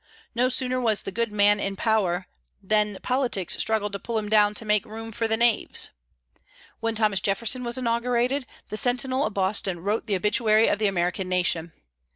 No sooner was the good man in power than politics struggled to pull him down to make room for the knaves. When Thomas Jefferson was inaugurated, the Sentinel of Boston wrote the obituary of the American nation.